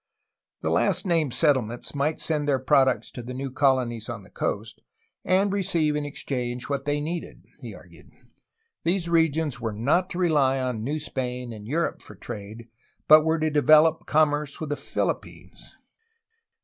The last named settlements might send their products to the new colonies on the coast, and receive in exchange what they needed, he argued. These regions were not to rely on New Spain and Europe for trade, but were to develop com merce with the Philippines.